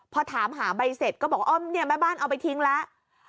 พอถามหาใบเสร็จก็บอกว่าอ้อมเนี่ยแม่บ้านเอาไปทิ้งแล้ว